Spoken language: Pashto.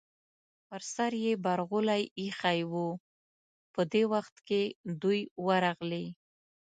پر سر یې برغولی ایښی و، په دې وخت کې دوی ورغلې.